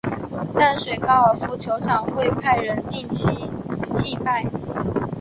淡水高尔夫球场会派人定期祭拜。